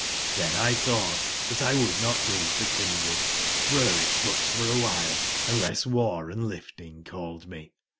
Xlhcn X tbougbt tbat X would not leave tbe kindred, were it but for a wbile, unless war and lifting called me.